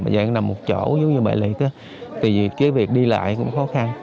mà dạng nằm một chỗ giống như vậy thì cái việc đi lại cũng khó khăn